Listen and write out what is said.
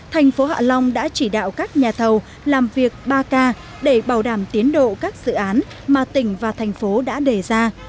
thành phố hạ long đã chỉ đạo các nhà thầu làm việc ba k để bảo đảm tiến độ các dự án mà tỉnh và thành phố đã đề ra